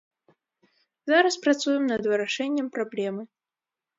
Зараз працуем над вырашэннем праблемы.